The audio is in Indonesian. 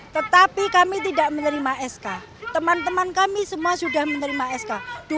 tetapi kami tidak menerima sk teman teman kami semua sudah menerima sk